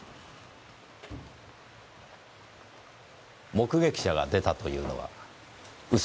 目撃者が出たというのは嘘です。